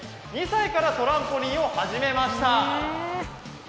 ２歳からトランポリンを始めました。